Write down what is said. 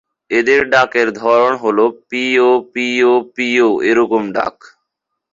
এদের ডাকের ধরন হল "পি---ও পি---ও পি---ও" এরকম ডাক।